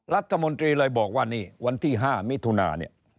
รัฐมนตรีเลยบอกว่าวันที่๕มิถุนา